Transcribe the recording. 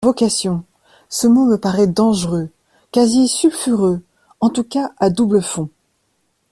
Vocation, ce mot me parait dangereux, quasi sulfureux, en tout cas à double fond.